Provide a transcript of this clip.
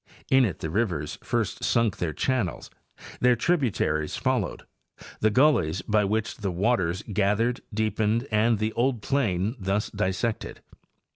In it the rivers first sunk their channels, their tributaries followed, the gullies by which the waters gathered deepened, and the old plain was thus dissected.